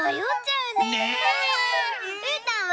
うーたんは？